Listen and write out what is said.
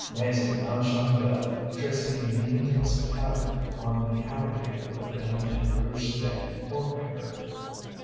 Maizie lounged on the bed, tracing a meaningless pattern on the counterpane with a thin and rouge stained forefinger.